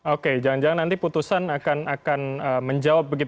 oke jangan jangan nanti putusan akan menjawab begitu